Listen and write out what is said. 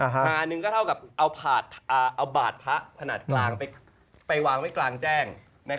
หาหนึ่งก็เท่ากับเอาบาดพระขนาดกลางไปวางไว้กลางแจ้ง